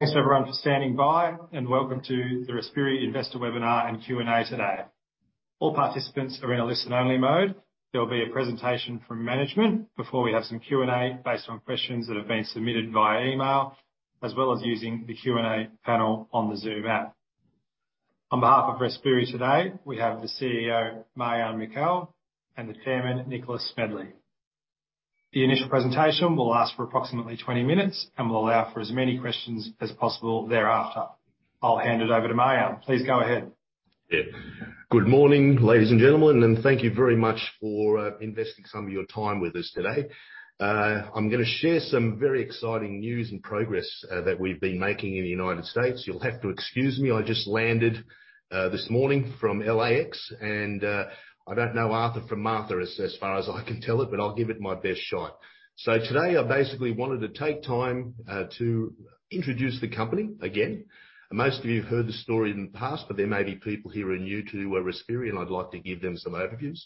Thanks everyone for standing by, and welcome to the Respiri Webinar and Q&A today. All participants are in a listen only mode. There will be a presentation from management before we have some Q&A based on questions that have been submitted via email, as well as using the Q&A panel on the Zoom app. On behalf of Respiri today, we have the CEO, Marjan Mikel, and the Chairman, Nicholas Smedley. The initial presentation will last for approximately 20 minutes, and we'll allow for as many questions as possible thereafter. I'll hand it over to Marjan. Please go ahead. Yeah. Good morning, ladies and gentlemen, and thank you very much for investing some of your time with us today. I'm gonna share some very exciting news and progress that we've been making in the United States. You'll have to excuse me, I just landed this morning from LAX, and I don't know Arthur from Martha, as far as I can tell it, but I'll give it my best shot. Today, I basically wanted to take time to introduce the company again. Most of you heard the story in the past, but there may be people here who are new to Respiri, and I'd like to give them some overviews.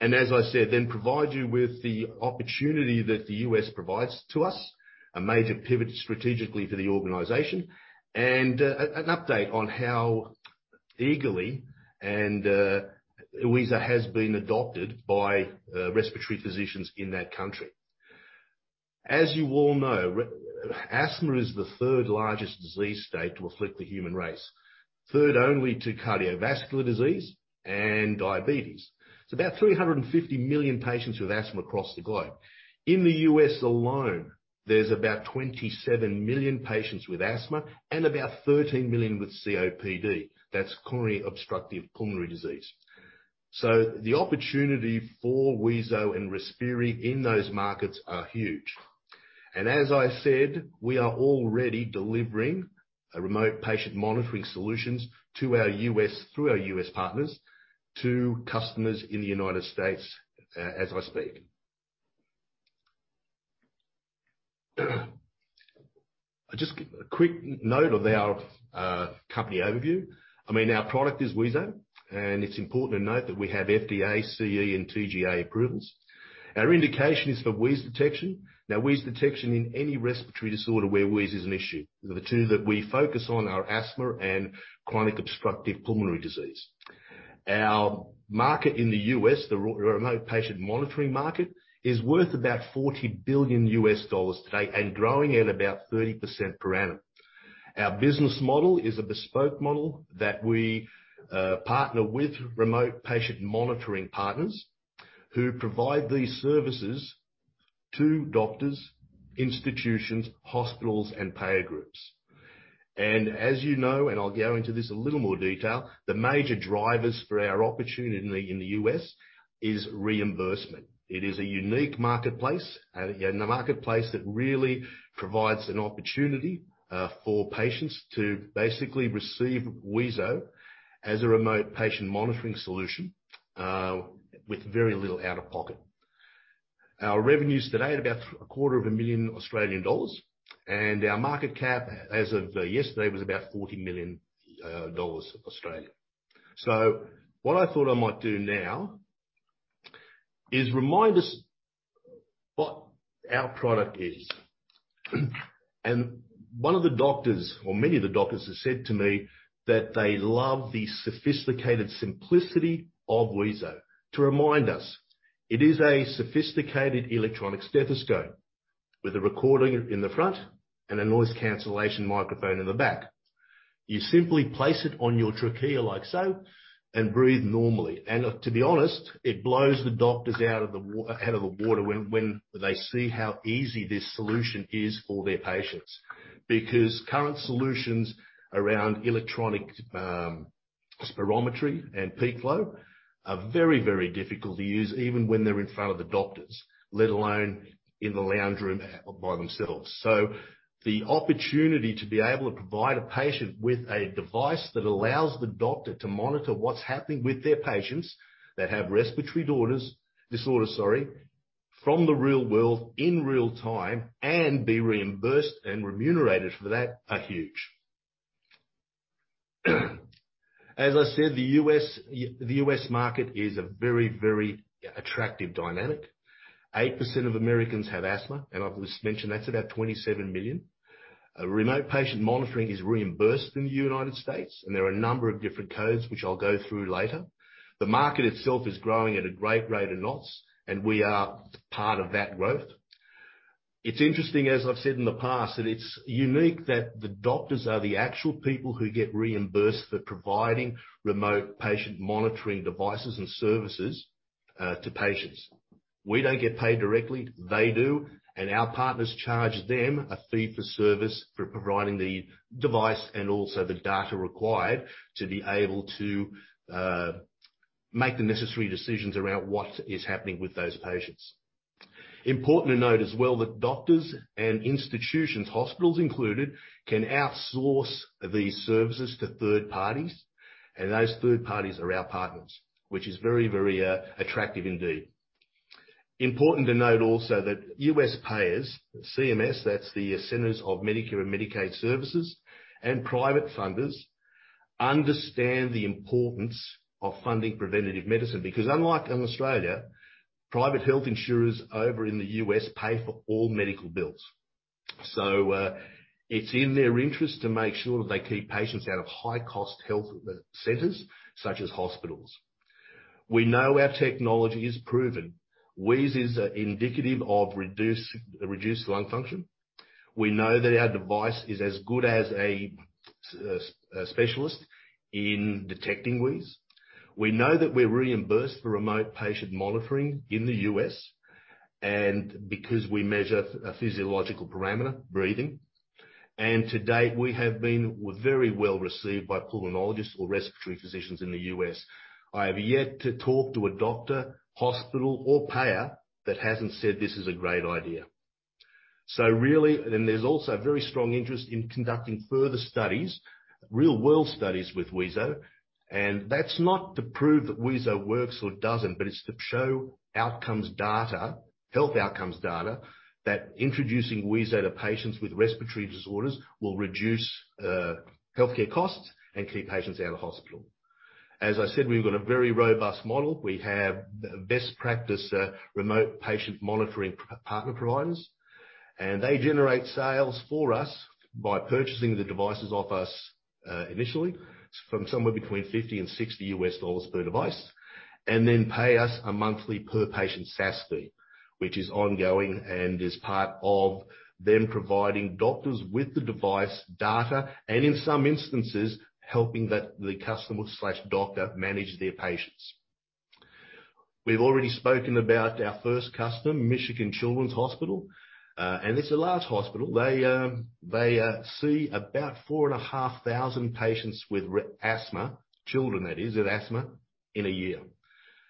As I said, then provide you with the opportunity that the U.S. provides to us, a major pivot strategically for the organization, and an update on how eagerly and Wheezo has been adopted by respiratory physicians in that country. As you all know, asthma is the third largest disease state to afflict the human race, third only to cardiovascular disease and diabetes. It's about 350 million patients with asthma across the globe. In the U.S. alone, there's about 27 million patients with asthma and about 13 million with COPD. That's chronic obstructive pulmonary disease. So the opportunity for Wheezo and Respiri in those markets are huge. As I said, we are already delivering remote patient monitoring solutions to our U.S. partners to customers in the United States, as I speak. Just a quick note of our company overview. I mean our product is Wheezo, and it's important to note that we have FDA, CE and TGA approvals. Our indication is for wheeze detection. Now, wheeze detection in any respiratory disorder where wheeze is an issue. The two that we focus on are asthma and chronic obstructive pulmonary disease. Our market in the U.S., the remote patient monitoring market, is worth about $40 billion today and growing at about 30% per annum. Our business model is a bespoke model that we partner with remote patient monitoring partners who provide these services to doctors, institutions, hospitals and payer groups. As you know, and I'll go into this a little more detail, the major drivers for our opportunity in the U.S. is reimbursement. It is a unique marketplace, and a marketplace that really provides an opportunity for patients to basically receive Wheezo as a remote patient monitoring solution with very little out of pocket. Our revenues today at about a quarter of a million Australian dollars, and our market cap as of yesterday was about 40 million Australian dollars. What I thought I might do now is remind us what our product is. One of the doctors or many of the doctors have said to me that they love the sophisticated simplicity of Wheezo. To remind us, it is a sophisticated electronic stethoscope with a recording in the front and a noise cancellation microphone in the back. You simply place it on your trachea like so and breathe normally. To be honest, it blows the doctors out of the water when they see how easy this solution is for their patients. Because current solutions around electronic spirometry and peak flow are very, very difficult to use even when they're in front of the doctors, let alone in the lounge room or by themselves. The opportunity to be able to provide a patient with a device that allows the doctor to monitor what's happening with their patients that have respiratory disorders, sorry, from the real world in real-time and be reimbursed and remunerated for that are huge. The U.S. market is a very, very attractive dynamic. 8% of Americans have asthma, and I've just mentioned that's about 27 million. Remote patient monitoring is reimbursed in the United States, and there are a number of different codes which I'll go through later. The market itself is growing at a great rate of knots, and we are part of that growth. It's interesting, as I've said in the past, that it's unique that the doctors are the actual people who get reimbursed for providing remote patient monitoring devices and services to patients. We don't get paid directly, they do, and our partners charge them a fee for service for providing the device and also the data required to be able to make the necessary decisions around what is happening with those patients. Important to note as well that doctors and institutions, hospitals included, can outsource these services to third parties, and those third parties are our partners, which is very attractive indeed. Important to note also that U.S. payers, CMS, that's the Centers for Medicare & Medicaid Services. Private funders understand the importance of funding preventative medicine because unlike in Australia, private health insurers over in the U.S. pay for all medical bills. It's in their interest to make sure that they keep patients out of high-cost health centers such as hospitals. We know our technology is proven. Wheeze is indicative of reduced lung function. We know that our device is as good as a specialist in detecting wheeze. We know that we're reimbursed for remote patient monitoring in the U.S., and because we measure a physiological parameter, breathing. To date, we have been very well-received by pulmonologists or respiratory physicians in the U.S.. I have yet to talk to a doctor, hospital, or payer that hasn't said this is a great idea. There's also very strong interest in conducting further studies, real-world studies with Wheezo. That's not to prove that Wheezo works or doesn't, but it's to show outcomes data, health outcomes data, that introducing Wheezo to patients with respiratory disorders will reduce healthcare costs and keep patients out of hospital. As I said, we've got a very robust model. We have best practice remote patient monitoring partner providers, and they generate sales for us by purchasing the devices off us initially, from somewhere between $50 and $60 per device, and then pay us a monthly per patient SaaS fee, which is ongoing and is part of them providing doctors with the device data, and in some instances, helping the customer/doctor manage their patients. We've already spoken about our first customer, Children's Hospital of Michigan, and it's a large hospital. They see about 4,500 patients with asthma, children that is, with asthma in a year.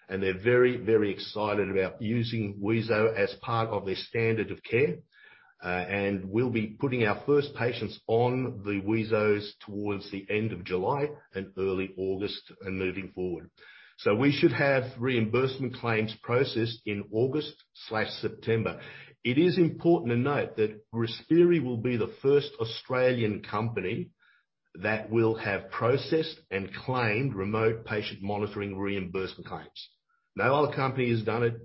They're very, very excited about using Wheezo as part of their standard of care, and we'll be putting our first patients on the Wheezos towards the end of July and early August and moving forward. We should have reimbursement claims processed in August/September. It is important to note that Respiri will be the first Australian company that will have processed and claimed remote patient monitoring reimbursement claims. No other company has done it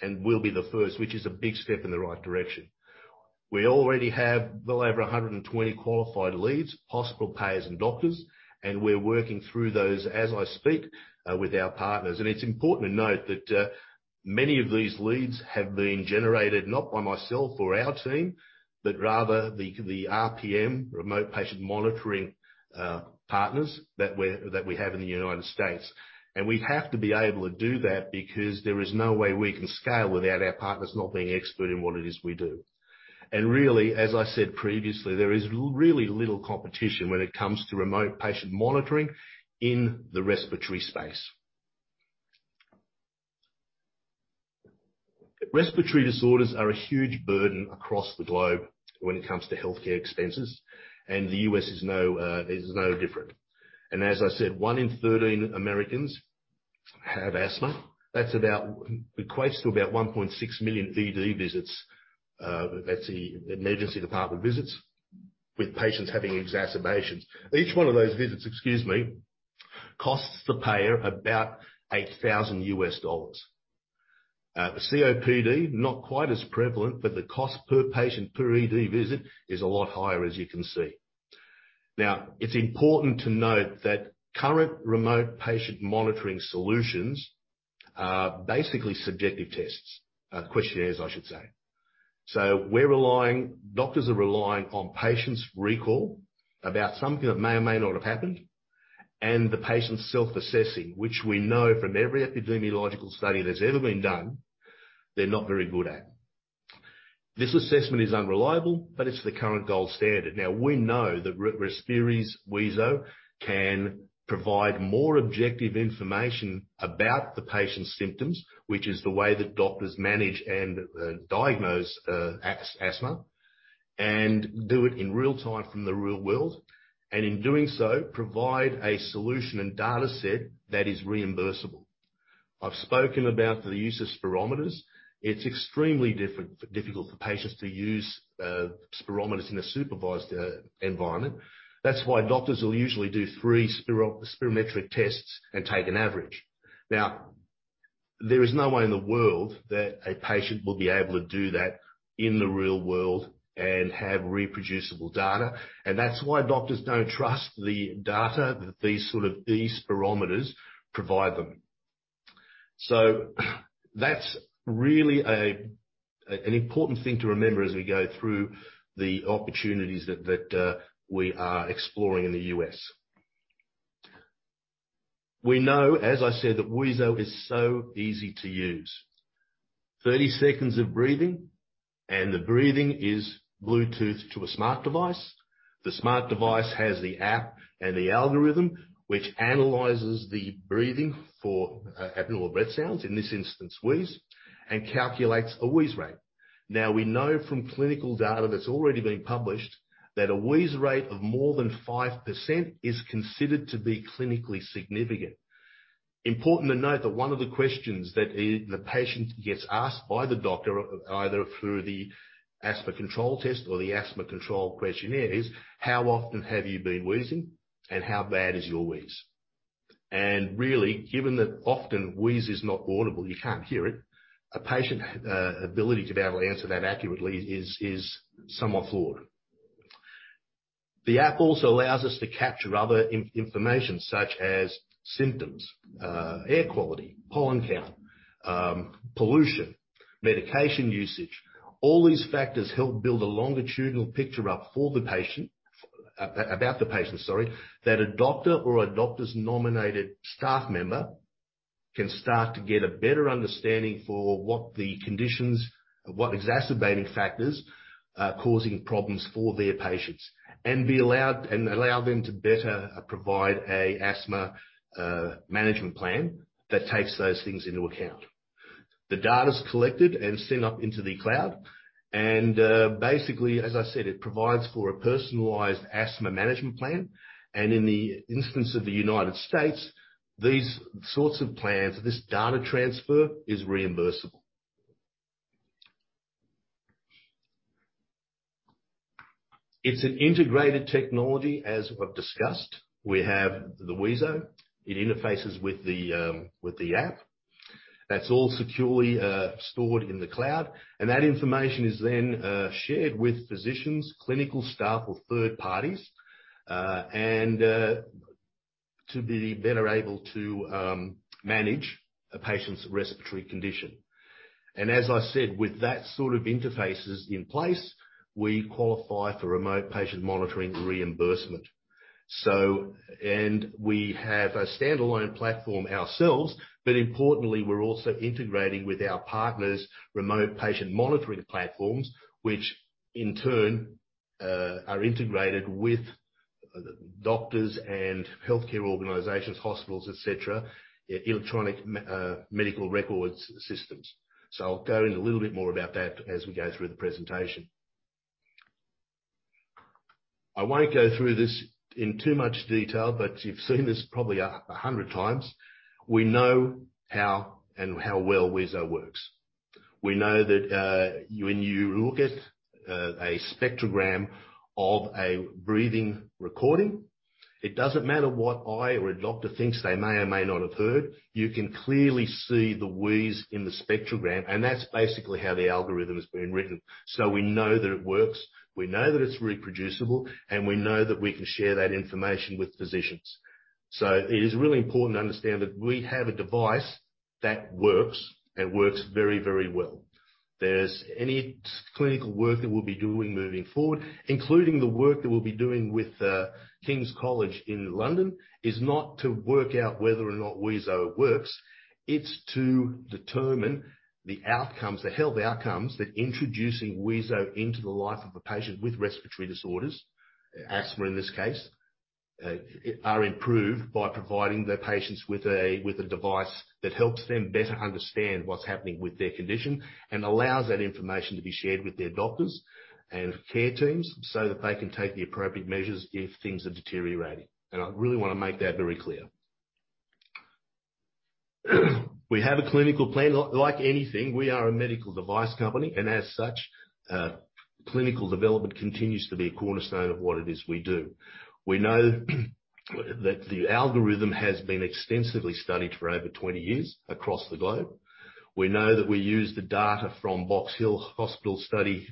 and we'll be the first, which is a big step in the right direction. We already have well over 120 qualified leads, possible payers and doctors, and we're working through those as I speak, with our partners. It's important to note that many of these leads have been generated not by myself or our team, but rather the RPM, remote patient monitoring, partners that we have in the United States. We have to be able to do that because there is no way we can scale without our partners not being expert in what it is we do. Really, as I said previously, there is really little competition when it comes to remote patient monitoring in the respiratory space. Respiratory disorders are a huge burden across the globe when it comes to healthcare expenses, and the U.S. is no different. As I said, one in thirteen Americans have asthma. That's about equates to about 1.6 million ED visits. That's the emergency department visits, with patients having exacerbations. Each one of those visits, excuse me, costs the payer about $8,000. COPD, not quite as prevalent, but the cost per patient per ED visit is a lot higher, as you can see. Now, it's important to note that current remote patient monitoring solutions are basically subjective tests, questionnaires, I should say. We're relying, doctors are relying on patients' recall about something that may or may not have happened, and the patient's self-assessing, which we know from every epidemiological study that's ever been done, they're not very good at. This assessment is unreliable, but it's the current gold standard. Now, we know that Respiri's Wheezo can provide more objective information about the patient's symptoms, which is the way that doctors manage and diagnose asthma and do it in real time from the real world, and in doing so, provide a solution and data set that is reimbursable. I've spoken about the use of spirometers. It's extremely difficult for patients to use spirometers in a supervised environment. That's why doctors will usually do three spirometric tests and take an average. Now, there is no way in the world that a patient will be able to do that in the real world and have reproducible data. That's why doctors don't trust the data that these sort of spirometers provide them. That's really an important thing to remember as we go through the opportunities that we are exploring in the U.S. We know, as I said, that Wheezo is so easy to use. 30 seconds of breathing, and the breathing is Bluetooth to a smart device. The smart device has the app and the algorithm, which analyzes the breathing for abnormal breath sounds, in this instance, wheeze, and calculates a wheeze rate. Now, we know from clinical data that's already been published that a wheeze rate of more than 5% is considered to be clinically significant. Important to note that one of the questions that the patient gets asked by the doctor, either through the asthma control test or the asthma control questionnaire is, "How often have you been wheezing, and how bad is your wheeze?" Really, given that often wheeze is not audible, you can't hear it, a patient's ability to be able to answer that accurately is somewhat flawed. The app also allows us to capture other information such as symptoms, air quality, pollen count, pollution, medication usage. All these factors help build a longitudinal picture up for the patient, about the patient, sorry, that a doctor or a doctor's nominated staff member can start to get a better understanding for what exacerbating factors are causing problems for their patients, and allow them to better provide an asthma management plan that takes those things into account. The data's collected and sent up into the cloud, and basically, as I said, it provides for a personalized asthma management plan. In the instance of the United States, these sorts of plans, this data transfer is reimbursable. It's an integrated technology as we've discussed. We have the Wheezo. It interfaces with the app. That's all securely stored in the cloud, and that information is then shared with physicians, clinical staff, or third parties and to be better able to manage a patient's respiratory condition. As I said, with that sort of interfaces in place, we qualify for remote patient monitoring reimbursement. We have a standalone platform ourselves, but importantly, we're also integrating with our partners' remote patient monitoring platforms, which in turn are integrated with the doctors and healthcare organizations, hospitals, et cetera, electronic medical records systems. I'll go into a little bit more about that as we go through the presentation. I won't go through this in too much detail, but you've seen this probably 100 times. We know how well Wheezo works. We know that, when you look at a spectrogram of a breathing recording, it doesn't matter what I or a doctor thinks they may or may not have heard, you can clearly see the wheeze in the spectrogram, and that's basically how the algorithm has been written. We know that it works, we know that it's reproducible, and we know that we can share that information with physicians. It is really important to understand that we have a device that works and works very, very well. Any clinical work that we'll be doing moving forward, including the work that we'll be doing with King's College London, is not to work out whether or not Wheezo works. It's to determine the outcomes, the health outcomes, that introducing Wheezo into the life of a patient with respiratory disorders, asthma in this case, are improved by providing the patients with a device that helps them better understand what's happening with their condition and allows that information to be shared with their doctors and care teams so that they can take the appropriate measures if things are deteriorating. I really wanna make that very clear. We have a clinical plan. Like anything, we are a medical device company, and as such, clinical development continues to be a cornerstone of what it is we do. We know that the algorithm has been extensively studied for over 20 years across the globe. We know that we use the data from Box Hill Hospital study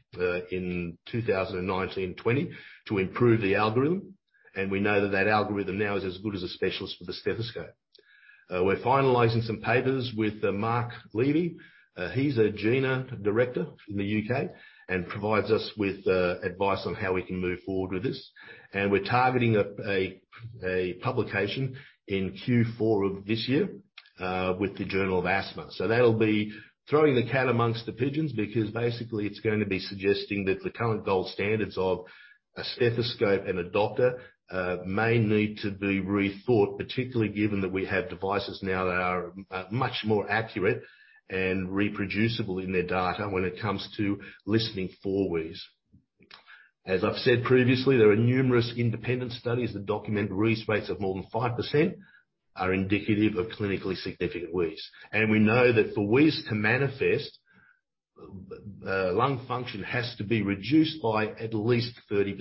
in 2019 and 2020 to improve the algorithm, and we know that that algorithm now is as good as a specialist with a stethoscope. We're finalizing some papers with Mark Levy. He's a GINA director from the U.K. and provides us with advice on how we can move forward with this. We're targeting a publication in Q4 of this year with the Journal of Asthma. That'll be throwing the cat amongst the pigeons because basically, it's gonna be suggesting that the current gold standards of a stethoscope and a doctor may need to be rethought, particularly given that we have devices now that are much more accurate and reproducible in their data when it comes to listening for wheeze. As I've said previously, there are numerous independent studies that document wheeze rates of more than 5% are indicative of clinically significant wheeze. We know that for wheeze to manifest, lung function has to be reduced by at least 30%.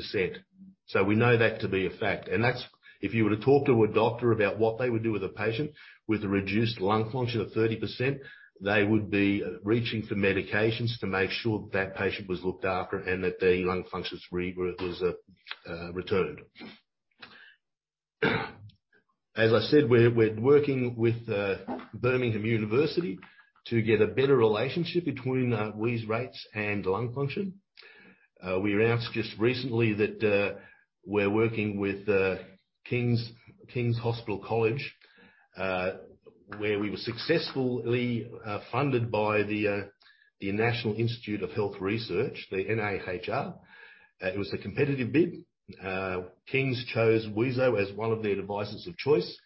We know that to be a fact. If you were to talk to a doctor about what they would do with a patient with a reduced lung function of 30%, they would be reaching for medications to make sure that patient was looked after and that their lung functions was returned. As I said, we're working with University of Birmingham to get a better relationship between wheeze rates and lung function. We announced just recently that we're working with King's College London, where we were successfully funded by the National Institute for Health and Care Research, the NIHR. It was a competitive bid. King's chose Wheezo as one of their devices of choice,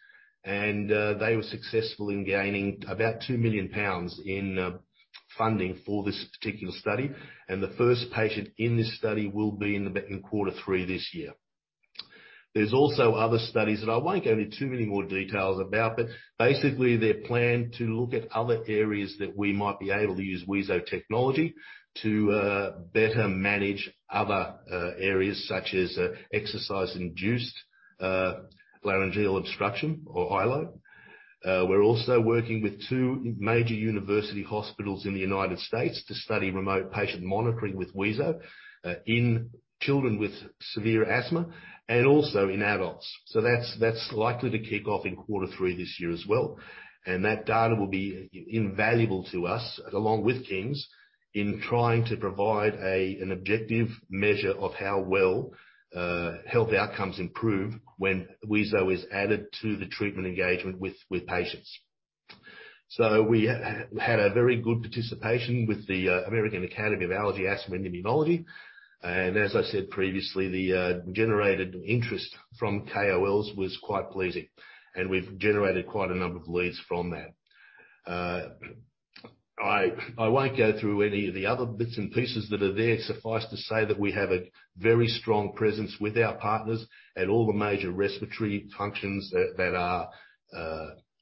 and they were successful in gaining about 2 million pounds in funding for this particular study. The first patient in this study will be in quarter three this year. There's also other studies that I won't go into too many more details about, but basically they plan to look at other areas that we might be able to use Wheezo technology to better manage other areas such as exercise-induced laryngeal obstruction or EILO. We're also working with two major university hospitals in the United States to study remote patient monitoring with Wheezo in children with severe asthma and also in adults. That's likely to kick off in quarter three this year as well. That data will be invaluable to us, along with King's, in trying to provide an objective measure of how well health outcomes improve when Wheezo is added to the treatment engagement with patients. We had a very good participation with the American Academy of Allergy, Asthma & Immunology. As I said previously, the generated interest from KOLs was quite pleasing, and we've generated quite a number of leads from that. I won't go through any of the other bits and pieces that are there. Suffice to say that we have a very strong presence with our partners at all the major respiratory functions that are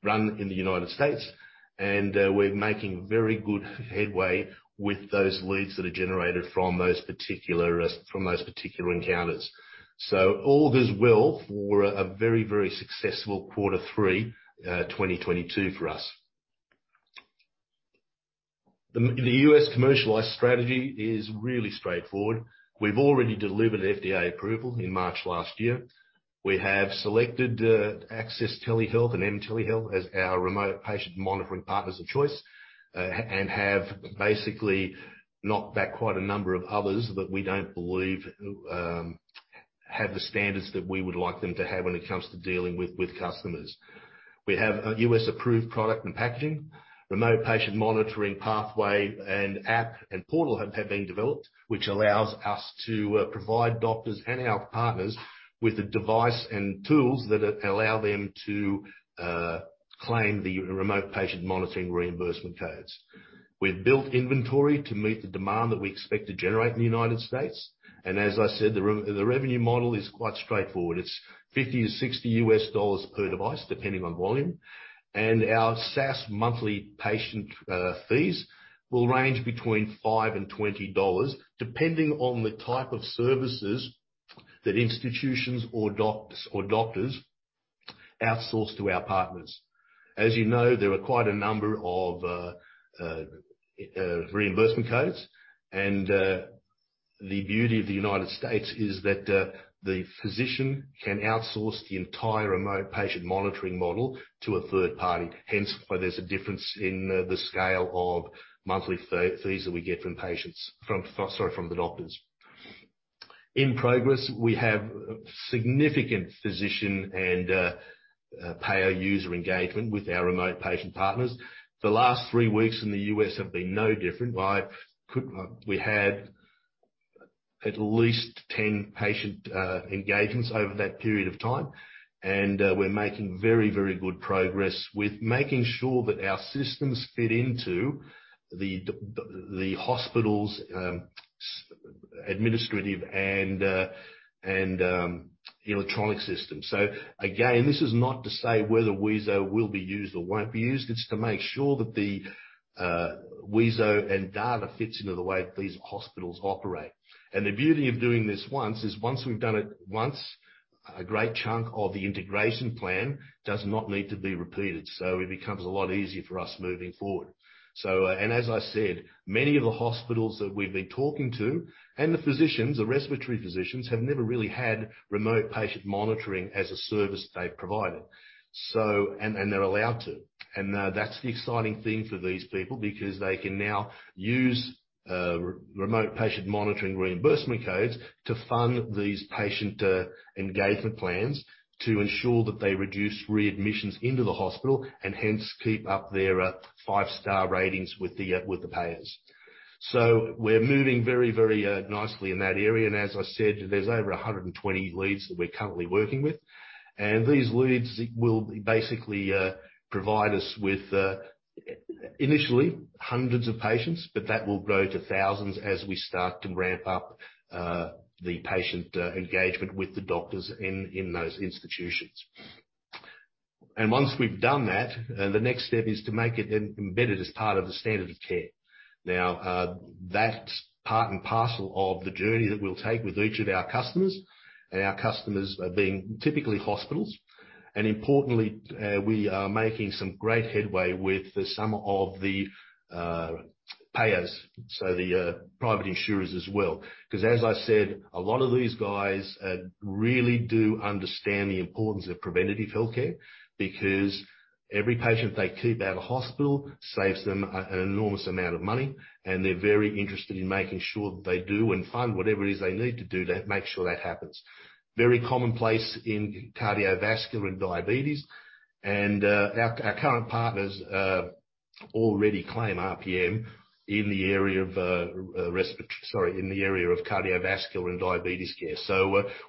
run in the United States. We're making very good headway with those leads that are generated from those particular encounters. All this will form a very, very successful quarter three 2022 for us. The U.S. commercialized strategy is really straightforward. We've already delivered FDA approval in March last year. We have selected Access Telehealth and mTelehealth as our remote patient monitoring partners of choice and have basically knocked back quite a number of others that we don't believe have the standards that we would like them to have when it comes to dealing with customers. We have a U.S. approved product and packaging, remote patient monitoring pathway, and app and portal have been developed, which allows us to provide doctors and our partners with the device and tools that allow them to claim the remote patient monitoring reimbursement codes. We've built inventory to meet the demand that we expect to generate in the United States, and as I said, the revenue model is quite straightforward. It's $50-$60 per device, depending on volume, and our SaaS monthly patient fees will range between $5-$20, depending on the type of services that institutions or doctors outsource to our partners. As you know, there are quite a number of reimbursement codes, and the beauty of the United States is that the physician can outsource the entire remote patient monitoring model to a third party. Hence why there's a difference in the scale of monthly fees that we get from patients. From, sorry, from the doctors. In progress, we have significant physician and payer user engagement with our remote patient partners. The last three weeks in the U.S. have been no different. We had at least 10 patient engagements over that period of time, and we're making very, very good progress with making sure that our systems fit into the hospital's administrative and electronic system. So again, this is not to say whether Wheezo will be used or won't be used. It's to make sure that the Wheezo and data fits into the way these hospitals operate. The beauty of doing this once is once we've done it once, a great chunk of the integration plan does not need to be repeated, so it becomes a lot easier for us moving forward. As I said, many of the hospitals that we've been talking to and the physicians, the respiratory physicians, have never really had remote patient monitoring as a service they've provided. They're allowed to. That's the exciting thing for these people, because they can now use remote patient monitoring reimbursement codes to fund these patient engagement plans to ensure that they reduce readmissions into the hospital and hence keep up their five-star ratings with the payers. We're moving very nicely in that area, and as I said, there's over 120 leads that we're currently working with. These leads will basically provide us with initially hundreds of patients, but that will grow to thousands as we start to ramp up the patient engagement with the doctors in those institutions. Once we've done that, the next step is to make it embedded as part of the standard of care. Now, that's part and parcel of the journey that we'll take with each of our customers, and our customers are being typically hospitals, and importantly, we are making some great headway with some of the payers, so the private insurers as well, 'cause as I said, a lot of these guys really do understand the importance of preventative healthcare because every patient they keep out of hospital saves them an enormous amount of money, and they're very interested in making sure that they do and fund whatever it is they need to do to make sure that happens. Very commonplace in cardiovascular and diabetes, and our current partners already claim RPM in the area of cardiovascular and diabetes care.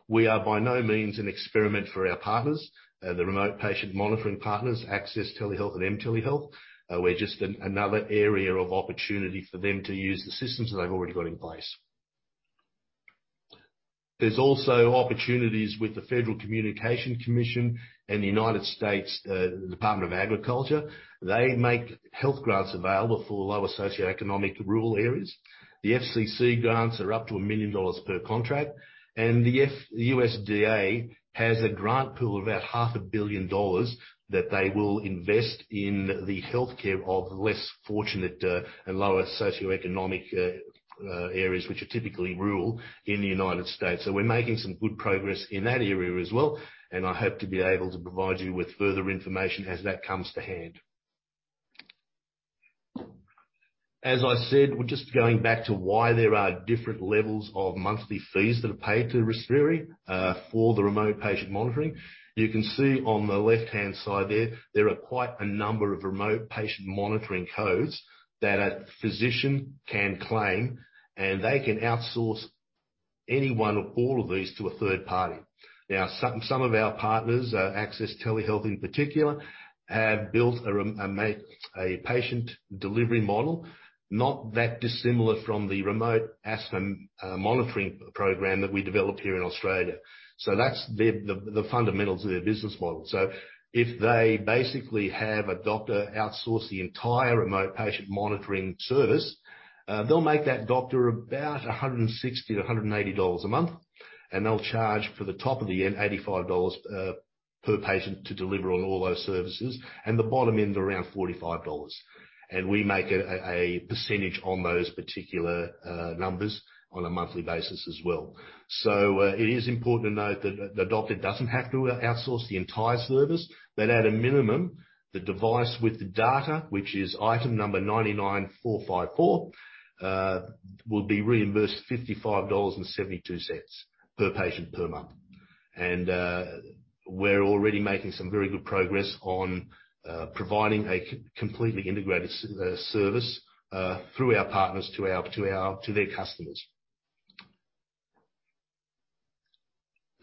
We are by no means an experiment for our partners, the remote patient monitoring partners, Access Telehealth and mTelehealth. We're just another area of opportunity for them to use the systems that they've already got in place. There's also opportunities with the Federal Communications Commission in the United States, U.S. Department of Agriculture. They make health grants available for lower socioeconomic rural areas. The FCC grants are up to $1 million per contract, and the USDA has a grant pool of about half a billion dollars that they will invest in the healthcare of less fortunate and lower socioeconomic areas which are typically rural in the United States. We're making some good progress in that area as well, and I hope to be able to provide you with further information as that comes to hand. As I said, we're just going back to why there are different levels of monthly fees that are paid to Respiri for the remote patient monitoring. You can see on the left-hand side there are quite a number of remote patient monitoring codes that a physician can claim, and they can outsource any one or all of these to a third party. Now, some of our partners, Access Telehealth in particular, have built a remote patient delivery model, not that dissimilar from the remote asthma monitoring program that we developed here in Australia. That's the fundamentals of their business model. If they basically have a doctor outsource the entire remote patient monitoring service, they'll make that doctor about $160-$180 a month, and they'll charge for the top end $85 per patient to deliver on all those services, and the bottom end around $45. We make a percentage on those particular numbers on a monthly basis as well. It is important to note that the doctor doesn't have to outsource the entire service, but at a minimum, the device with the data, which is item number 99454, will be reimbursed $55.72 per patient per month. We're already making some very good progress on providing a completely integrated service through our partners to their customers.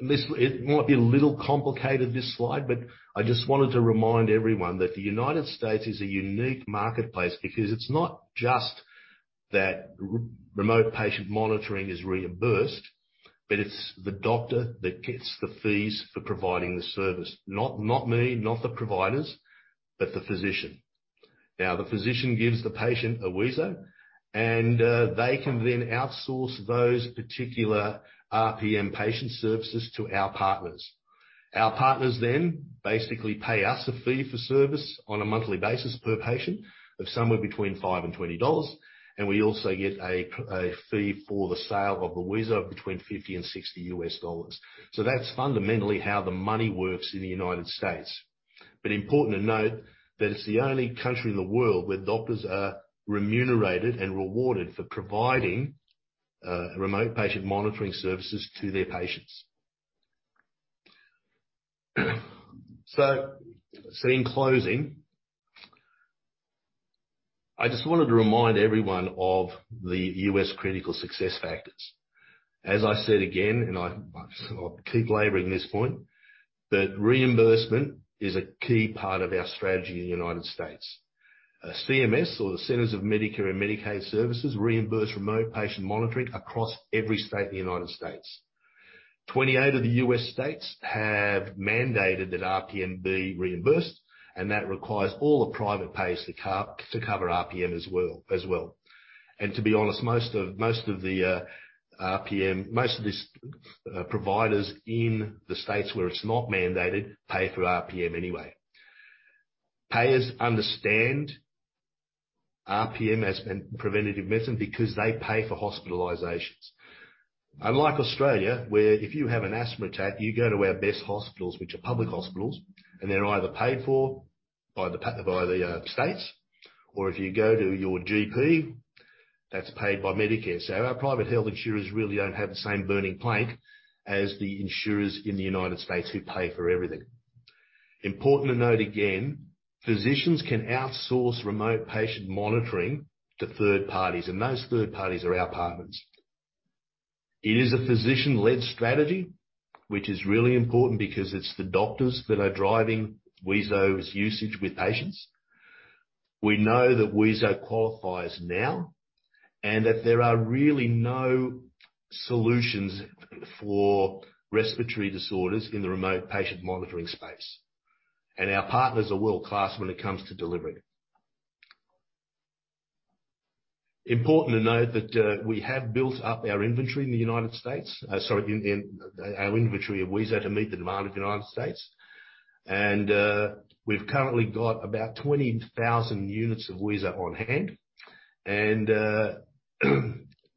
It might be a little complicated, this slide, but I just wanted to remind everyone that the United States is a unique marketplace because it's not just that remote patient monitoring is reimbursed, but it's the doctor that gets the fees for providing the service. Not me, not the providers, but the physician. Now, the physician gives the patient a Wheezo, and they can then outsource those particular RPM patient services to our partners. Our partners then basically pay us a fee for service on a monthly basis per patient of somewhere between $5 and $20, and we also get a fee for the sale of the Wheezo between $50 and $60. That's fundamentally how the money works in the United States. Important to note that it's the only country in the world where doctors are remunerated and rewarded for providing remote patient monitoring services to their patients. In closing, I just wanted to remind everyone of the U.S. critical success factors. As I said again, I keep laboring this point, that reimbursement is a key part of our strategy in the United States. CMS or the Centers for Medicare & Medicaid Services reimburse remote patient monitoring across every state in the United States. 28 of the U.S. states have mandated that RPM be reimbursed, and that requires all the private payers to cover RPM as well. To be honest, most of the RPM. Most of these providers in the states where it's not mandated pay for RPM anyway. Payers understand RPM as a preventative medicine because they pay for hospitalizations. Unlike Australia, where if you have an asthma attack, you go to our best hospitals, which are public hospitals, and they're either paid for by the states, or if you go to your GP, that's paid by Medicare. Our private health insurers really don't have the same burning platform as the insurers in the United States who pay for everything. Important to note again, physicians can outsource remote patient monitoring to third parties, and those third parties are our partners. It is a physician-led strategy, which is really important because it's the doctors that are driving Wheezo's usage with patients. We know that Wheezo qualifies now and that there are really no solutions for respiratory disorders in the remote patient monitoring space. Our partners are world-class when it comes to delivering. Important to note that we have built up our inventory in the United States. Our inventory of Wheezo to meet the demand of United States. We've currently got about 20,000 units of Wheezo on hand.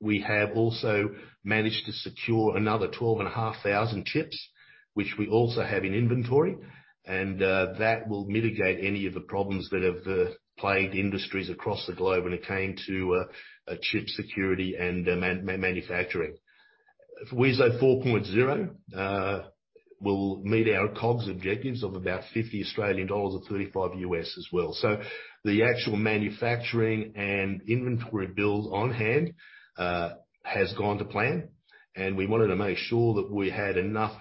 We have also managed to secure another 12,500 chips, which we also have in inventory, and that will mitigate any of the problems that have plagued industries across the globe when it came to chip security and manufacturing. Wheezo 4.0 will meet our COGS objectives of about 50 Australian dollars or $35 as well. The actual manufacturing and inventory build on hand has gone to plan, and we wanted to make sure that we had enough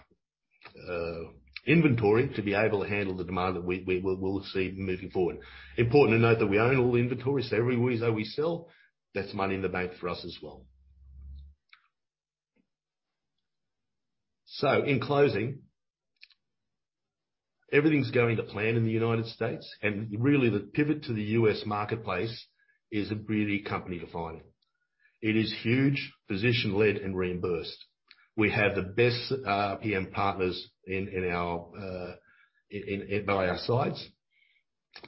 inventory to be able to handle the demand that we'll see moving forward. Important to note that we own all the inventory, so every Wheezo we sell, that's money in the bank for us as well. In closing, everything's going to plan in the United States, and really the pivot to the U.S. marketplace is really company defining. It is huge, physician-led, and reimbursed. We have the best RPM partners on our side, by our sides.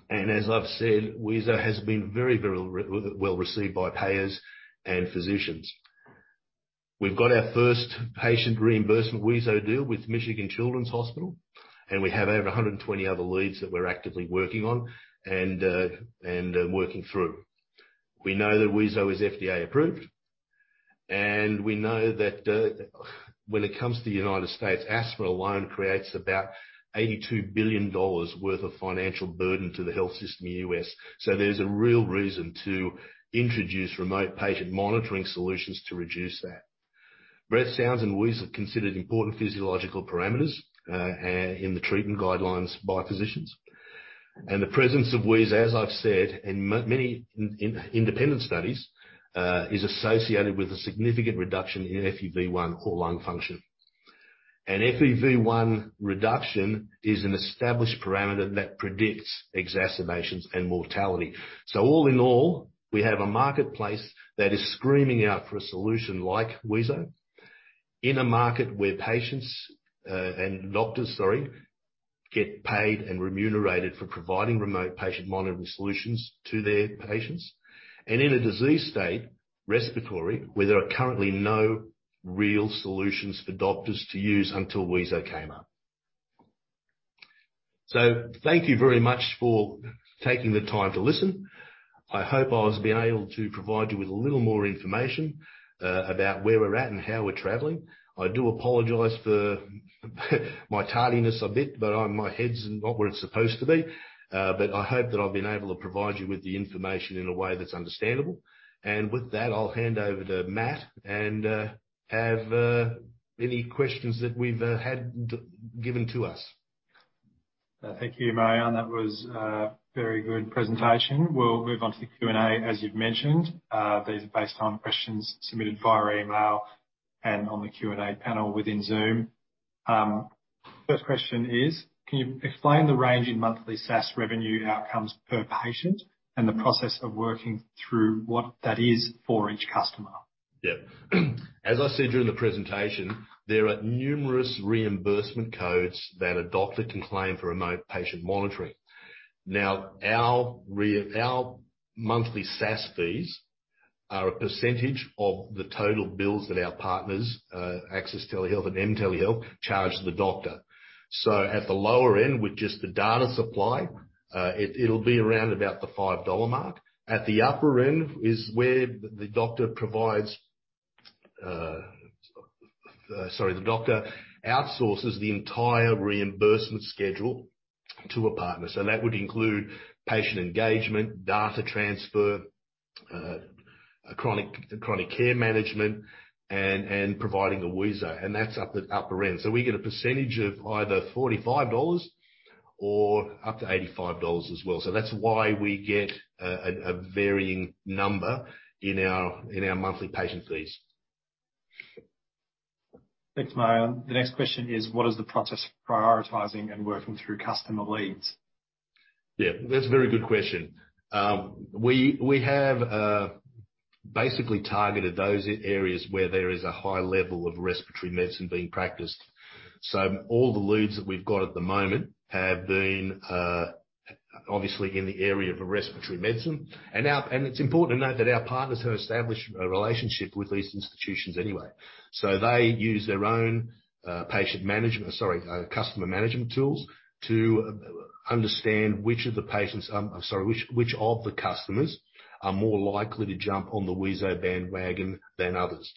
As I've said, Wheezo has been very well received by payers and physicians. We've got our first patient reimbursement Wheezo deal with Children's Hospital of Michigan, and we have over 120 other leads that we're actively working on and working through. We know that Wheezo is FDA approved, and we know that when it comes to the United States, asthma alone creates about $82 billion worth of financial burden to the health system in the U.S. There's a real reason to introduce remote patient monitoring solutions to reduce that. Breath sounds and wheeze are considered important physiological parameters in the treatment guidelines by physicians. The presence of wheeze, as I've said, in many independent studies, is associated with a significant reduction in FEV1 or lung function. An FEV1 reduction is an established parameter that predicts exacerbations and mortality. All in all, we have a marketplace that is screaming out for a solution like Wheezo in a market where patients, and doctors, sorry, get paid and remunerated for providing remote patient monitoring solutions to their patients, and in a disease state, respiratory, where there are currently no real solutions for doctors to use until Wheezo came up. Thank you very much for taking the time to listen. I hope I was being able to provide you with a little more information, about where we're at and how we're traveling. I do apologize for my tardiness a bit, but I'm, my head's not where it's supposed to be. I hope that I've been able to provide you with the information in a way that's understandable. With that, I'll hand over to Matt and have any questions that we've had given to us. Thank you, Marjan. That was a very good presentation. We'll move on to the Q&A, as you've mentioned. These are based on questions submitted via email and on the Q&A panel within Zoom. First question is: Can you explain the range in monthly SaaS revenue outcomes per patient and the process of working through what that is for each customer? Yeah. As I said during the presentation, there are numerous reimbursement codes that a doctor can claim for remote patient monitoring. Now, our monthly SaaS fees are a percentage of the total bills that our partners, Access Telehealth and mTelehealth, charge the doctor. At the lower end, with just the data supply, it'll be around the $5 mark. At the upper end is where the doctor outsources the entire reimbursement schedule to a partner. That would include patient engagement, data transfer, chronic care management, and providing a Wheezo, and that's at the upper end. We get a percentage of either $45 or up to $85 as well. That's why we get a varying number in our monthly patient fees. Thanks, Marjan. The next question is: What is the process for prioritizing and working through customer leads? Yeah, that's a very good question. We have basically targeted those areas where there is a high level of respiratory medicine being practiced. All the leads that we've got at the moment have been obviously in the area of respiratory medicine. It's important to note that our partners have established a relationship with these institutions anyway. They use their own customer management tools to understand which of the customers are more likely to jump on the Wheezo bandwagon than others.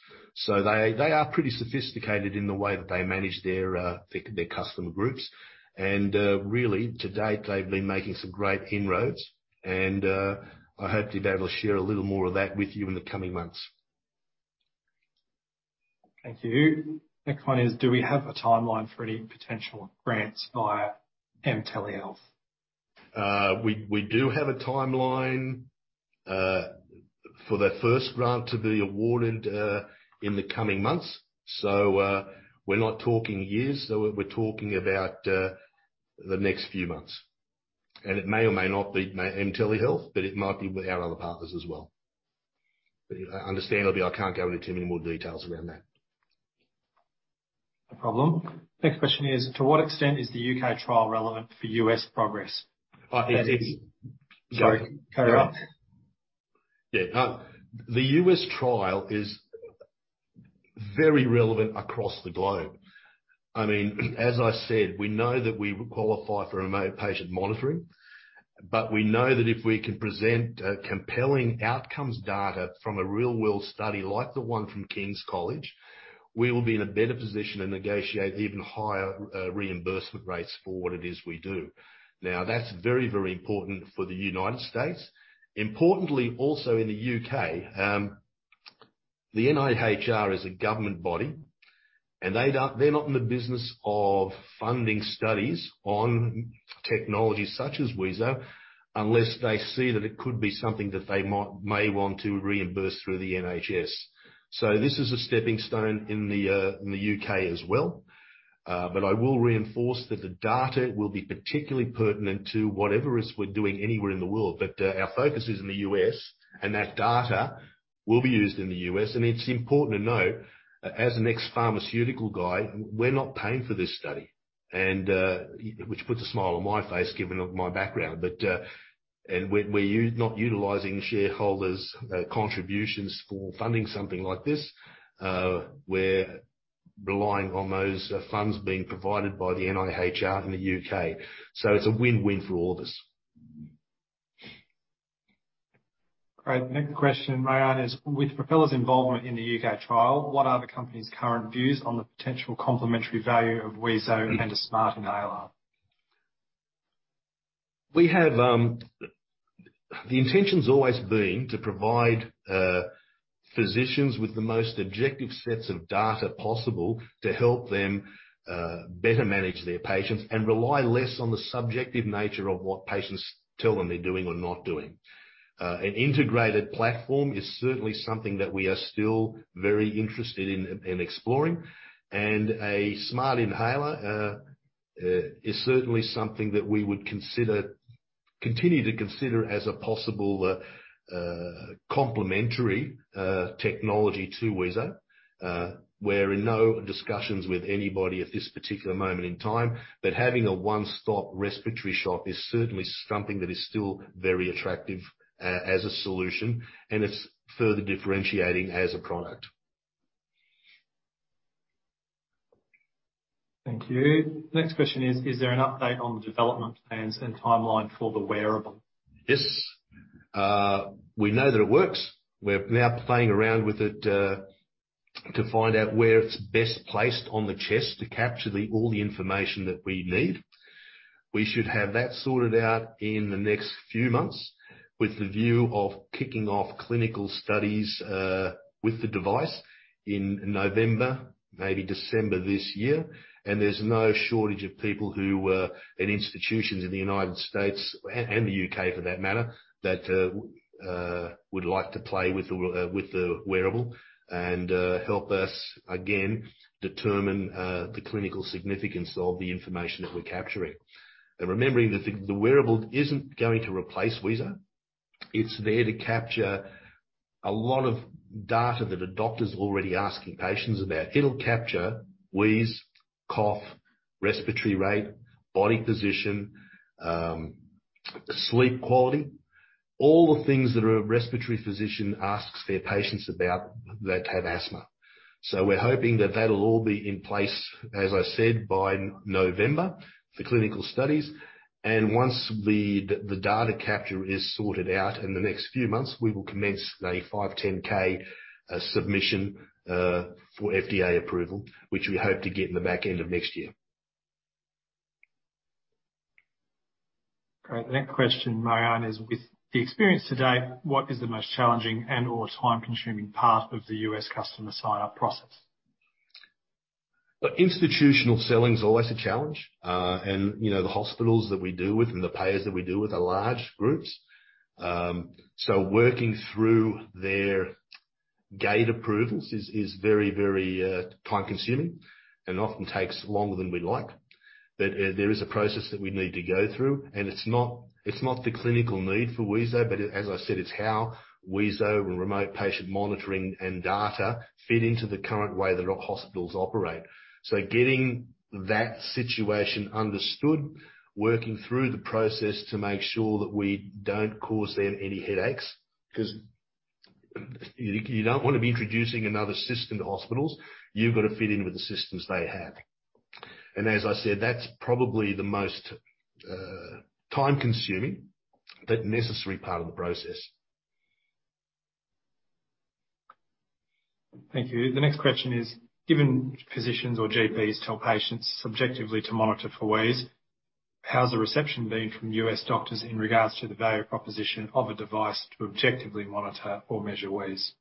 They are pretty sophisticated in the way that they manage their customer groups. Really to date, they've been making some great inroads, and I hope to be able to share a little more of that with you in the coming months. Thank you. Next one is: Do we have a timeline for any potential grants via mTelehealth? We do have a timeline for that first grant to be awarded in the coming months. We're not talking years. We're talking about the next few months. It may or may not be mTelehealth, but it might be with our other partners as well. Understandably, I can't go into too many more details around that. No problem. Next question is: To what extent is the U.K. trial relevant for U.S. progress? It's Sorry, carry on. Yeah. The U.S. trial is very relevant across the globe. I mean, as I said, we know that we qualify for remote patient monitoring, but we know that if we can present compelling outcomes data from a real-world study like the one from King's College, we will be in a better position to negotiate even higher reimbursement rates for what it is we do. Now, that's very, very important for the United States. Importantly, also in the U.K., the NIHR is a government body, and they're not in the business of funding studies on technologies such as Wheezo unless they see that it could be something that they may want to reimburse through the NHS. This is a stepping stone in the UK as well. I will reinforce that the data will be particularly pertinent to whatever it is we're doing anywhere in the world, but our focus is in the U.S., and that data will be used in the U.S. It's important to note, as an ex-pharmaceutical guy, we're not paying for this study, and which puts a smile on my face, given my background. We're not utilizing shareholders' contributions for funding something like this. We're relying on those funds being provided by the NIHR in the U.K. It's a win-win for all of us. Great. Next question, Marjan, is, with Propeller Health's involvement in the U.K. trial, what are the company's current views on the potential complementary value of Wheezo and a smart inhaler? We have, the intention's always been to provide, physicians with the most objective sets of data possible to help them, better manage their patients and rely less on the subjective nature of what patients tell them they're doing or not doing. An integrated platform is certainly something that we are still very interested in exploring. A smart inhaler is certainly something that we would consider, continue to consider as a possible, complementary, technology to Wheezo. We're in no discussions with anybody at this particular moment in time, but having a one-stop respiratory shop is certainly something that is still very attractive as a solution, and it's further differentiating as a product. Thank you. Next question is: Is there an update on the development plans and timeline for the wearable? Yes. We know that it works. We're now playing around with it to find out where it's best placed on the chest to capture all the information that we need. We should have that sorted out in the next few months, with the view of kicking off clinical studies with the device in November, maybe December this year. There's no shortage of people who, in institutions in the United States and the U.K. for that matter, would like to play with the wearable and help us again determine the clinical significance of the information that we're capturing. Remembering that the wearable isn't going to replace Wheezo. It's there to capture a lot of data that a doctor's already asking patients about. It'll capture wheeze, cough, respiratory rate, body position, sleep quality, all the things that a respiratory physician asks their patients about that have asthma. We're hoping that that'll all be in place, as I said, by November for clinical studies. Once the data capture is sorted out in the next few months, we will commence a 510(k) submission for FDA approval, which we hope to get in the back end of next year. Great. The next question, Marjan, is: With the experience to date, what is the most challenging and/or time-consuming part of the U.S. customer sign-up process? Institutional selling is always a challenge. You know, the hospitals that we deal with and the payers that we deal with are large groups. Working through their gate approvals is very time-consuming and often takes longer than we'd like. There is a process that we need to go through, and it's not the clinical need for Wheezo, but as I said, it's how Wheezo and remote patient monitoring and data fit into the current way that our hospitals operate. Getting that situation understood, working through the process to make sure that we don't cause them any headaches, 'cause you don't wanna be introducing another system to hospitals. You've gotta fit in with the systems they have. As I said, that's probably the most time-consuming, but necessary part of the process. Thank you. The next question is: Given physicians or GPs tell patients subjectively to monitor for wheeze, how has the reception been from U.S. doctors in regards to the value proposition of a device to objectively monitor or measure wheeze?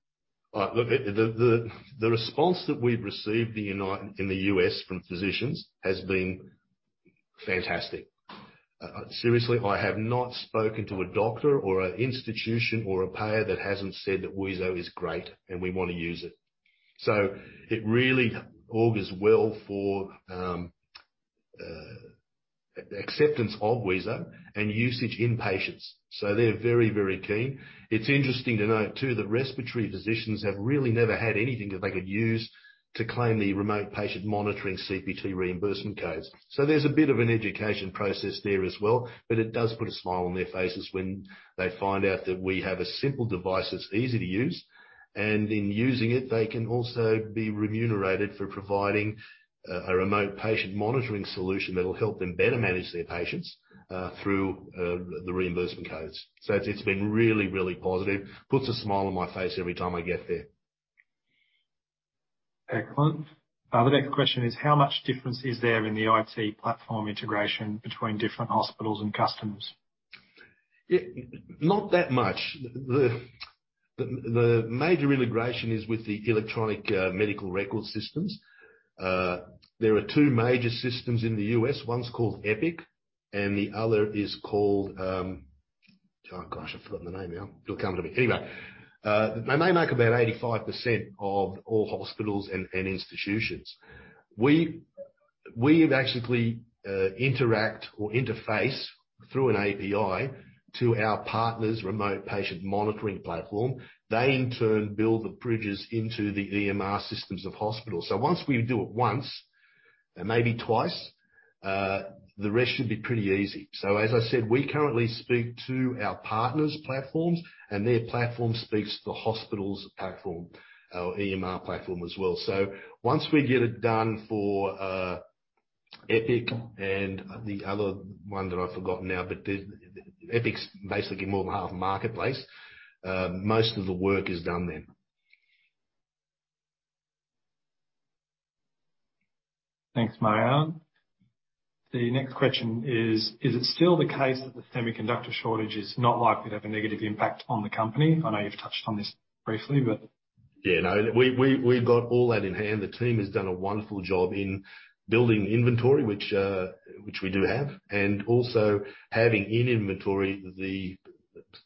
The response that we've received in the U.S. from physicians has been fantastic. Seriously, I have not spoken to a doctor or an institution or a payer that hasn't said that Wheezo is great and we wanna use it. It really bodes well for acceptance of Wheezo and usage in patients. They're very keen. It's interesting to note too that respiratory physicians have really never had anything that they could use to claim the remote patient monitoring CPT reimbursement codes. There's a bit of an education process there as well, but it does put a smile on their faces when they find out that we have a simple device that's easy to use, and in using it, they can also be remunerated for providing a remote patient monitoring solution that'll help them better manage their patients through the reimbursement codes. It's been really positive. Puts a smile on my face every time I get there. Excellent. The next question is: how much difference is there in the IT platform integration between different hospitals and customers? Yeah, not that much. The major integration is with the electronic medical record systems. There are two major systems in the U.S.. One's called Epic, and the other is called. Oh, gosh, I've forgotten the name now. It'll come to me. Anyway, they may make up about 85% of all hospitals and institutions. We have actually interact or interface through an API to our partners' remote patient monitoring platform. They in turn build the bridges into the EMR systems of hospitals. Once we do it once, and maybe twice, the rest should be pretty easy. As I said, we currently speak to our partners' platforms, and their platform speaks to the hospital's platform, our EMR platform as well. Once we get it done for Epic and the other one that I've forgotten now, but Epic's basically more of a marketplace, most of the work is done then. Thanks, Marjan. The next question is: Is it still the case that the semiconductor shortage is not likely to have a negative impact on the company? I know you've touched on this briefly, but. Yeah, no. We've got all that in hand. The team has done a wonderful job in building inventory, which we do have, and also having in inventory the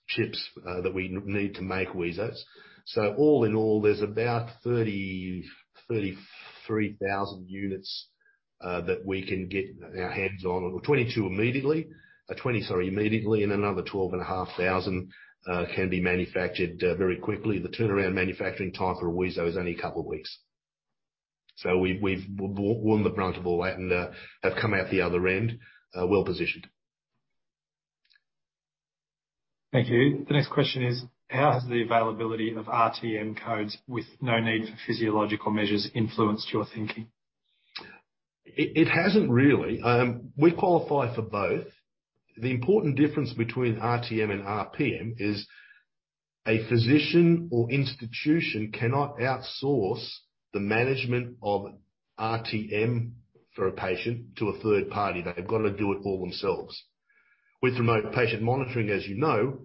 chips that we need to make Wheezos. All in all, there's about 33,000 units that we can get our hands on. 22,000 immediately, and another 12,500 can be manufactured very quickly. The turnaround manufacturing time for a Wheezo is only a couple of weeks. We've borne the brunt of all that and have come out the other end well positioned. Thank you. The next question is: How has the availability of RTM codes with no need for physiological measures influenced your thinking? It hasn't really. We qualify for both. The important difference between RTM and RPM is a physician or institution cannot outsource the management of RTM for a patient to a third party. They've gotta do it all themselves. With remote patient monitoring, as you know,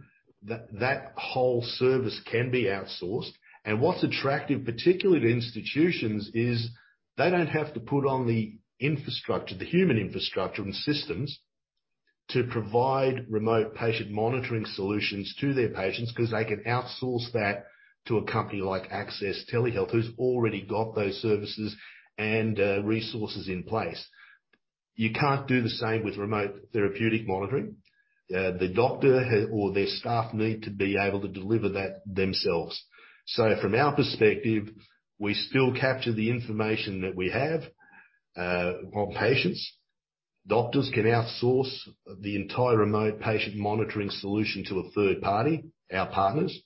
that whole service can be outsourced. What's attractive, particularly to institutions, is they don't have to put on the infrastructure, the human infrastructure and systems to provide remote patient monitoring solutions to their patients, 'cause they can outsource that to a company like Access Telehealth, who's already got those services and resources in place. You can't do the same with remote therapeutic monitoring. The doctor or their staff need to be able to deliver that themselves. From our perspective, we still capture the information that we have on patients. Doctors can outsource the entire remote patient monitoring solution to a third party, our partners,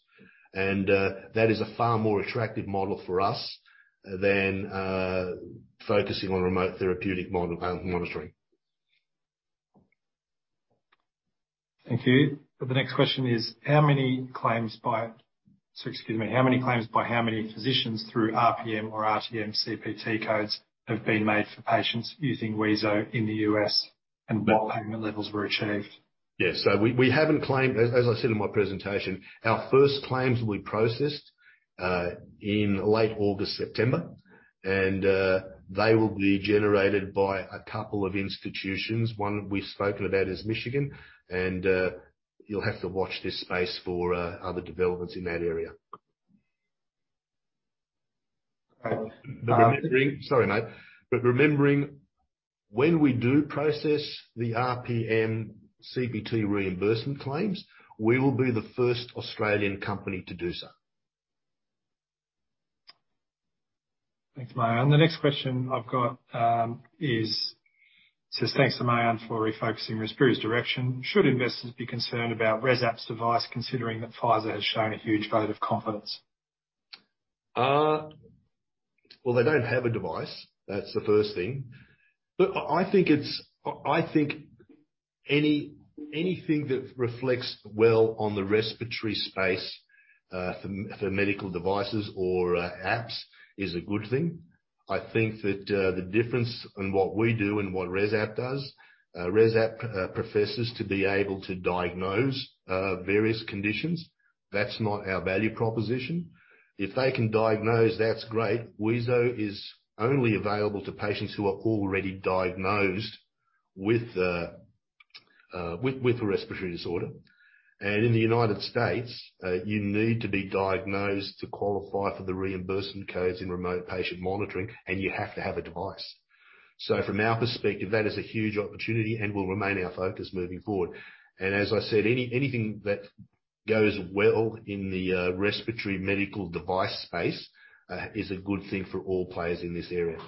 and that is a far more attractive model for us than focusing on remote therapeutic monitoring. Thank you. The next question is: How many claims by how many physicians through RPM or RTM CPT codes have been made for patients using Wheezo in the U.S., and what payment levels were achieved? Yes. We haven't claimed. As I said in my presentation, our first claims will be processed in late August, September, and they will be generated by a couple of institutions. One we've spoken about is Michigan, and you'll have to watch this space for other developments in that area. Remembering when we do process the RPM CPT reimbursement claims, we will be the first Australian company to do so. Thanks, Marjan. The next question I've got is: It says: Thanks to Marjan for refocusing Respiri's direction. Should investors be concerned about ResApp's device, considering that Pfizer has shown a huge vote of confidence? Well, they don't have a device. That's the first thing. I think anything that reflects well on the respiratory space for medical devices or apps is a good thing. I think that the difference in what we do and what ResApp does, ResApp professes to be able to diagnose various conditions. That's not our value proposition. If they can diagnose, that's great. Wheezo is only available to patients who are already diagnosed with a respiratory disorder. In the United States, you need to be diagnosed to qualify for the reimbursement codes in remote patient monitoring, and you have to have a device. From our perspective, that is a huge opportunity and will remain our focus moving forward. As I said, anything that goes well in the respiratory medical device space is a good thing for all players in this area.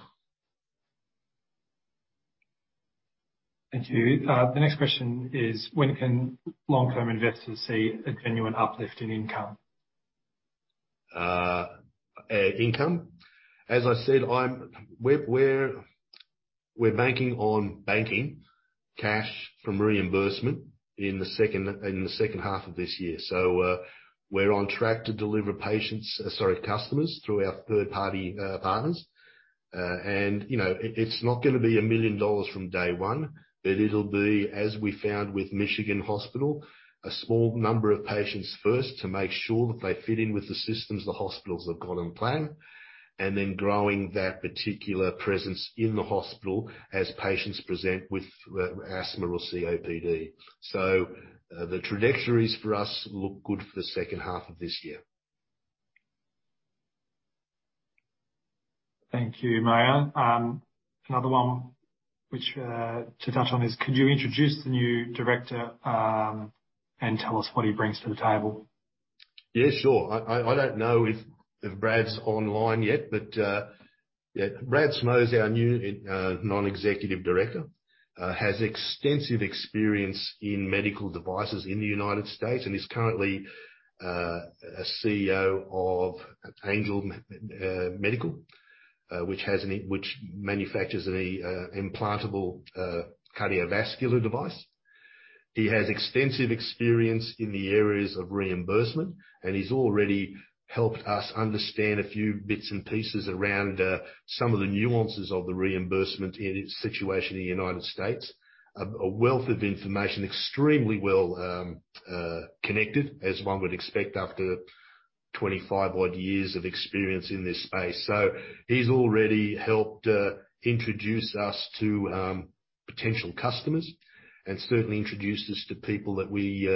Thank you. The next question is: When can long-term investors see a genuine uplift in income? Income? As I said, we're bringing cash from reimbursement in the second half of this year. We're on track to deliver customers through our third-party partners. You know, it's not gonna be $1 million from day one, but it'll be, as we found with Children's Hospital of Michigan, a small number of patients first to make sure that they fit in with the systems the hospitals have got on plan, and then growing that particular presence in the hospital as patients present with asthma or COPD. The trajectories for us look good for the second half of this year. Thank you, Marjan Mikel. Another one which to touch on is, could you introduce the new director, and tell us what he brings to the table? Yeah, sure. I don't know if Brad's online yet, but yeah, Brad Snow is our new Non-Executive Director. He has extensive experience in medical devices in the United States, and is currently a CEO of Angel Medical Systems, which manufactures an implantable cardiovascular device. He has extensive experience in the areas of reimbursement, and he's already helped us understand a few bits and pieces around some of the nuances of the reimbursement in its situation in the United States. A wealth of information, extremely well connected as one would expect after 25 odd years of experience in this space. He's already helped introduce us to potential customers, and certainly introduced us to people that we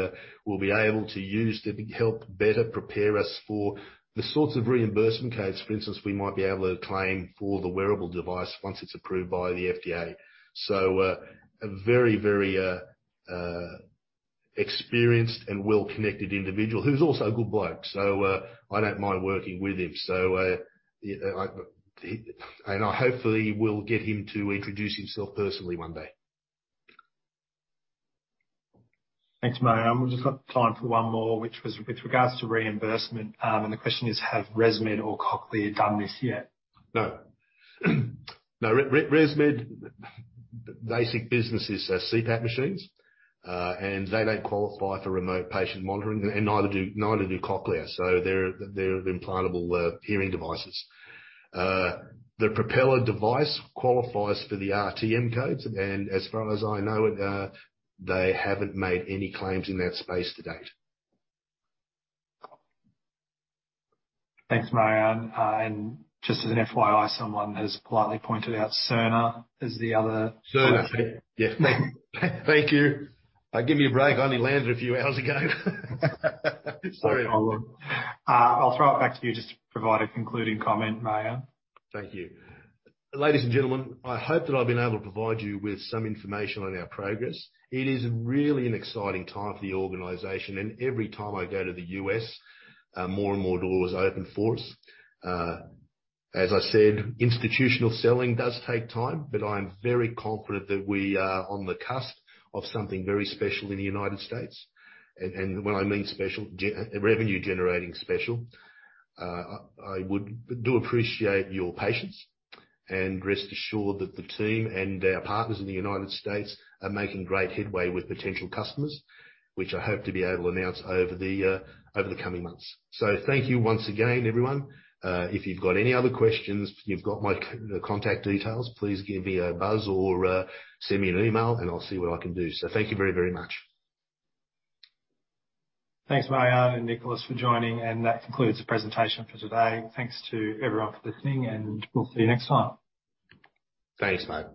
will be able to use to help better prepare us for the sorts of reimbursement codes, for instance, we might be able to claim for the wearable device once it's approved by the FDA. A very experienced and well-connected individual who's also a good bloke. I don't mind working with him. I hopefully will get him to introduce himself personally one day. Thanks, Marjan. We've just got time for one more, which was with regards to reimbursement, and the question is: Have ResMed or Cochlear done this yet? No. No. ResMed's basic business is CPAP machines, and they don't qualify for remote patient monitoring, and neither do Cochlear. They're implantable hearing devices. The propeller device qualifies for the RTM codes, and as far as I know it, they haven't made any claims in that space to date. Thanks, Marjan. Just as an FYI, someone has politely pointed out, Cerner is the other. Cerner. Yeah. Thank you. Give me a break. I only landed a few hours ago. Sorry. I'll throw it back to you just to provide a concluding comment, Marjan. Thank you. Ladies and gentlemen, I hope that I've been able to provide you with some information on our progress. It is really an exciting time for the organization, and every time I go to the U.S., more and more doors open for us. As I said, institutional selling does take time, but I'm very confident that we are on the cusp of something very special in the United States. When I mean special, revenue generating special. I do appreciate your patience, and rest assured that the team and our partners in the United States are making great headway with potential customers, which I hope to be able to announce over the coming months. Thank you once again, everyone. If you've got any other questions, you've got my contact details. Please give me a buzz or, send me an email, and I'll see what I can do. Thank you very, very much. Thanks, Marjan and Nicholas for joining, and that concludes the presentation for today. Thanks to everyone for listening, and we'll see you next time. Thanks, Matt.